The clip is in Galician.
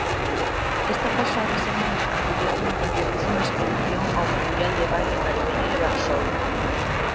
Esta pasada semana acudía cunha completísima expedición ao mundial de baile caribeño de Varsovia.